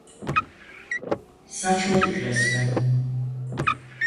Saçmalık resmen.